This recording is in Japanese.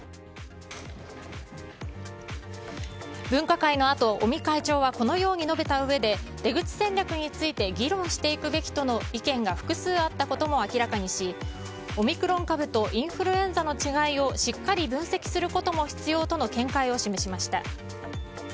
分科会のあと尾身会長はこのように述べたうえで出口戦略について議論していくべきとの意見が複数あったことも明らかにしオミクロン株とインフルエンザの違いをしっかり分析することも必要との見解を示しました。